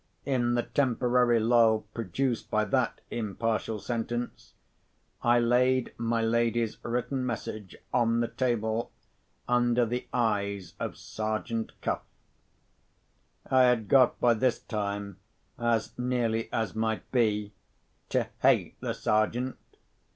In the temporary lull produced by that impartial sentence, I laid my lady's written message on the table, under the eyes of Sergeant Cuff. I had got by this time, as nearly as might be, to hate the Sergeant.